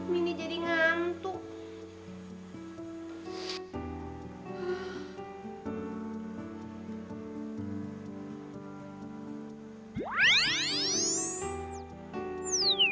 mini jadi ngantuk